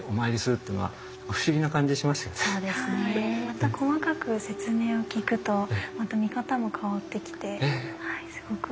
また細かく説明を聞くと見方も変わってきてすごく面白いです。